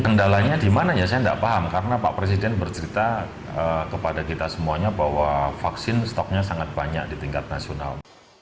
kendalanya di mana ya saya tidak paham karena pak presiden bercerita kepada kita semuanya bahwa vaksin stoknya sangat banyak di tingkat nasional